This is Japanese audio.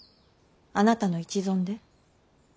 あなたの一存で？